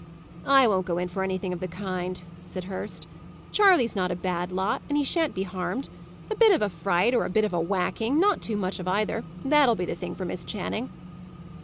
"I won't go in for anything of the kind," said Hurst. "Charley's not a bad lot, and he shan't be harmed. A bit of a fright, or a bit of a whacking, not too much of either; that'll be the thing for Miss Channing."